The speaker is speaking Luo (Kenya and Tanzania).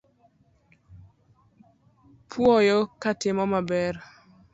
Puoya katimo maber.